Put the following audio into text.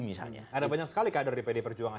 misalnya ada banyak sekali kader di pd perjuangan